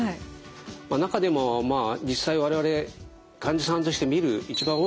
中でも実際我々患者さんとして診る一番多いですね